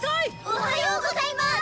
おはようございます！